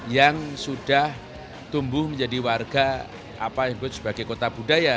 yang sudah tumbuh menjadi warga apa yang disebut sebagai kota budaya